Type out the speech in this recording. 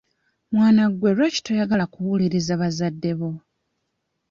Mwana gwe lwaki toyagala kuwuliriza bazadde bo?